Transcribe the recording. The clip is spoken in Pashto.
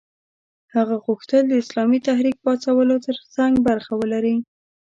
هغه غوښتل د اسلامي تحریک پاڅولو ترڅنګ برخه ولري.